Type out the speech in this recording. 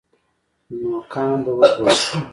نو قام به وژغورل شي.